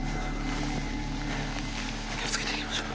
気をつけていきましょう。